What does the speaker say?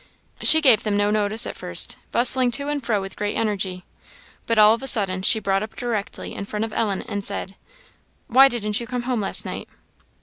She gave them no notice at first, bustling to and fro with great energy, but all of a sudden she brought up directly in front of Ellen, and said "Why didn't you come home last night?"